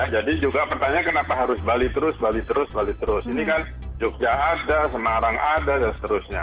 jadi juga pertanyaan kenapa harus bali terus bali terus bali terus ini kan jogja ada semarang ada dan seterusnya